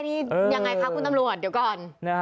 นี่ยังไงคะคุณตำรวจเดี๋ยวก่อน